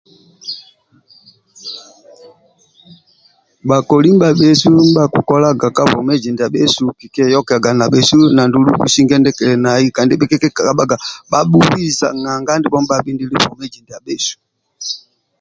Bhakoli ndibhabhesu ndibha kikolaga ka bwo.ezi ndia bhesu kikieyokiaga na na andulu businge ndie kili nai kandi bhikikabhaga bhabhubiza nanga andibho ndibhabhundili vwomezi ndia bhesu